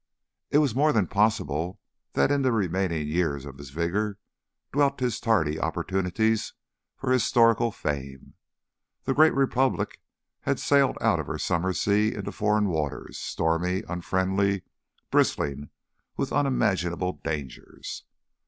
It was more than possible that in the remaining years of his vigour dwelt his tardy opportunities for historical fame. The great Republic had sailed out of her summer sea into foreign waters, stormy, unfriendly, bristling with unimaginable dangers.